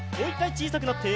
ちいさくなって。